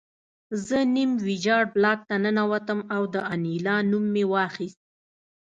زه نیم ویجاړ بلاک ته ننوتم او د انیلا نوم مې واخیست